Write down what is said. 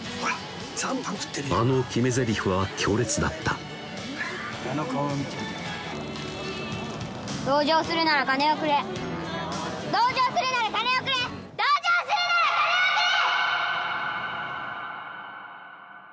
あの決めゼリフは強烈だった「同情するなら金をくれ同情するなら金をくれ同情するなら金をくれ！」